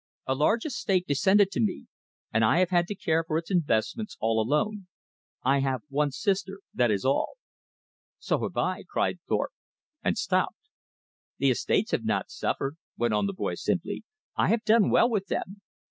A large estate descended to me, and I have had to care for its investments all alone. I have one sister, that is all." "So have I," cried Thorpe, and stopped. "The estates have not suffered," went on the boy simply. "I have done well with them.